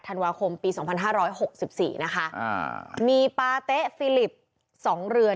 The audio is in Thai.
ธันวาคมปีสองพันห้าร้อยหกสิบสี่นะคะอ่ามีปาเต๊ะฟิลิปสองเรือน